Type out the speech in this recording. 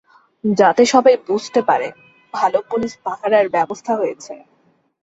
যাতে সবাই বুঝতে পারে, ভালো পুলিশ পাহারার ব্যবস্থা হয়েছে।